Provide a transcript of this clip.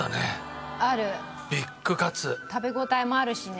食べ応えもあるしね。